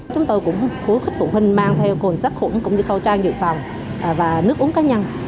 chúng tôi cũng khuyến khích phụ huynh mang theo quần sắc khủng cũng như khẩu trang dự phòng và nước uống cá nhân